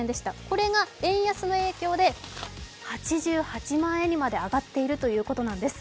これが円安の影響で８８万円にまで上がっているということなんです。